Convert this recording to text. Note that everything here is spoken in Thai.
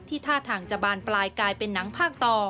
ท่าทางจะบานปลายกลายเป็นหนังภาคต่อ